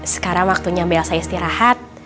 sekarang waktunya mba elsa istirahat